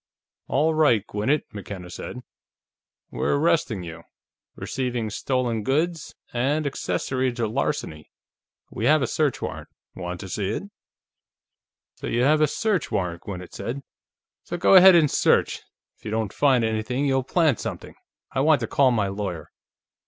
"All right, Gwinnett," McKenna said. "We're arresting you: receiving stolen goods, and accessory to larceny. We have a search warrant. Want to see it?" "So you have a search warrant," Gwinnett said. "So go ahead and search; if you don't find anything, you'll plant something. I want to call my lawyer."